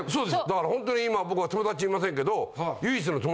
だからほんとに今僕は友達いませんけど。